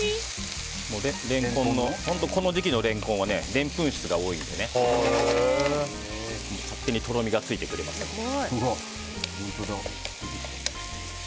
この時期のレンコンはでんぷん質が多いので勝手にとろみがついてくれますから。